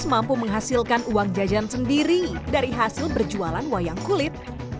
mampu menghasilkan uang jajan sendiri dari hasil berjualan wayang kulit